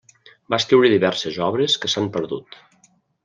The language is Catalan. Va escriure diverses obres que s'han perdut.